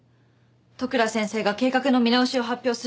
利倉先生が計画の見直しを発表する前日に。